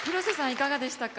いかがでしたか？